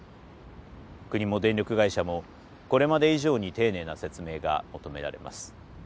国も電力会社もこれまで以上に丁寧な説明が求められます。